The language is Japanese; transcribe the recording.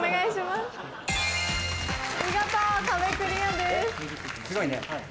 すごいね。